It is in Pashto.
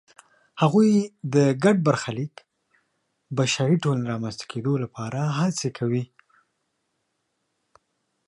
هغوی د ګډ برخلیک بشري ټولنې رامنځته کېدو لپاره هڅې کوي.